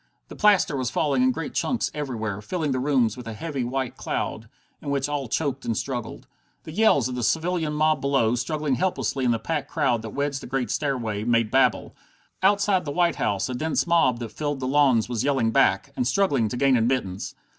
The plaster was falling in great chunks everywhere, filling the rooms with a heavy white cloud, in which all choked and struggled. The yells of the civilian mob below, struggling helplessly in the packed crowd that wedged the great stairway, made babel. Outside the White House a dense mob that filled the lawns was yelling back, and struggling to gain admittance.